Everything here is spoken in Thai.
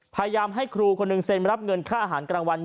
พยายามให้ครูคนหนึ่งเซ็นรับเงินค่าอาหารกลางวัน